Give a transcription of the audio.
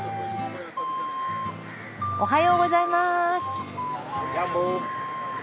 おはようございます。